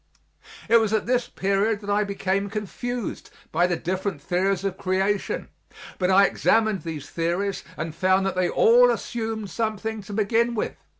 It was at this period that I became confused by the different theories of creation. But I examined these theories and found that they all assumed something to begin with.